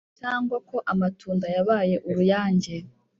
cyangwa ko amatunda yabaye uruyange,